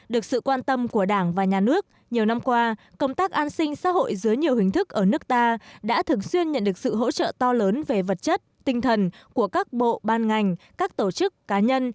được sự quan tâm của đảng và nhà nước nhiều năm qua công tác an sinh xã hội dưới nhiều hình thức ở nước ta đã thường xuyên nhận được sự hỗ trợ to lớn về vật chất tinh thần của các bộ ban ngành các tổ chức cá nhân